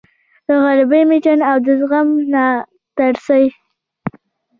د غریبۍ مېچن او د زغم ناترسۍ